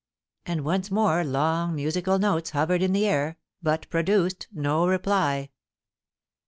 And once more long musical notes hovered in the air, but produced no reply.